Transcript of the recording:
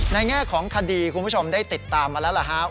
แง่ของคดีคุณผู้ชมได้ติดตามมาแล้วล่ะครับ